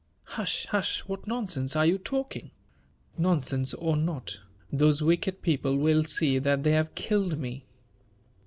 "Hush, hush! what nonsense are you talking?" "Nonsense or not, those wicked people will see that they have killed me!"